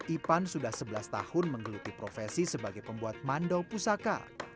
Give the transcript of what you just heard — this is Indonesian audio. ipan sudah sebelas tahun menggeluti profesi sebagai pembuat mandau pusaka